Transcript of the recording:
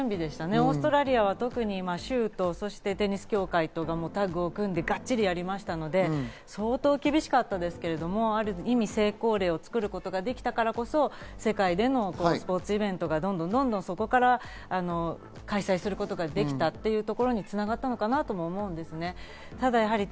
オーストラリアは州とテニス協会がタッグを組んでがっちりやりましたので相当厳しかったですけど、ある意味、成功例を作ることができたからこそ世界でのスポーツイベントがどんどんそこから開催することができたというところに繋がったのかなと思うんですね。